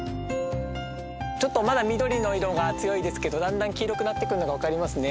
ちょっとまだ緑の色が強いですけどだんだん黄色くなってくるのが分かりますね。